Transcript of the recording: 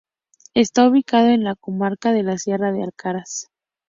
Está ubicado en la comarca de la sierra de Alcaraz.